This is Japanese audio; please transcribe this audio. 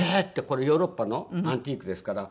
これヨーロッパのアンティークですから。